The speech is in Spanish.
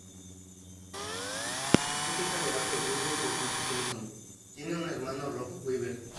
Es hija de Arthur Weaver y Edith Simpson, tiene un hermano Rod Weaver.